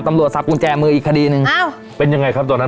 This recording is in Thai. สับกุญแจมืออีกคดีหนึ่งอ้าวเป็นยังไงครับตอนนั้น